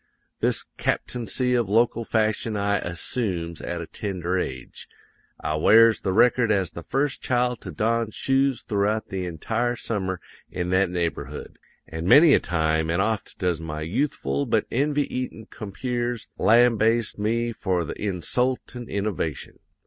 This captaincy of local fashion I assoomes at a tender age. I wears the record as the first child to don shoes throughout the entire summer in that neighborhood; an' many a time an' oft does my yoothful but envy eaten compeers lambaste me for the insultin' innovation.